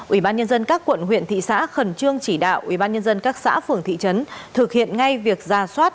ubnd các quận huyện thị xã khẩn trương chỉ đạo ubnd các xã phường thị trấn thực hiện ngay việc ra soát